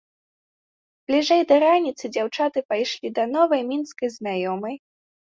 Бліжэй да раніцы дзяўчаты пайшлі да новай мінскай знаёмай.